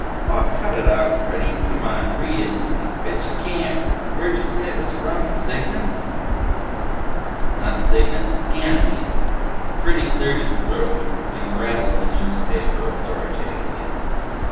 "Aw, cut it out, Freddy! C'mon, read it to me. Betcha can't! Where'd ya say it was from? Cygnus?" "Not Cygnus. Ganymede." Freddy cleared his throat and rattled the newspaper authoritatively.